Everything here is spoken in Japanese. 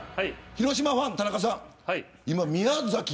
広島ファンの田中さん。